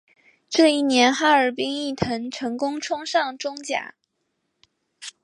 这一年哈尔滨毅腾成功冲上中甲。